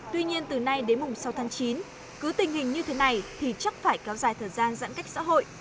tuy nhiên từ nay đến mùng sáu tháng chín cứ tình hình như thế này thì chắc phải kéo dài thời gian giãn cách xã hội